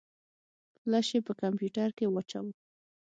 فلش يې په کمپيوټر کې واچوه.